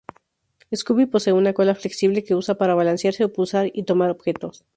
Scooby posee una cola flexible que usa para balancearse o pulsar y tomar objetos.